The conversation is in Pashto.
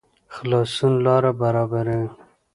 خلاصون لاره برابروي